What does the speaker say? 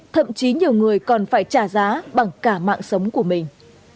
thậm chí nhiều người còn phải trả giá bằng cả mạng sống của mình